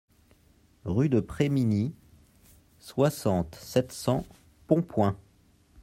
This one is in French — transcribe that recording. Rue de Prés Miny, soixante, sept cents Pontpoint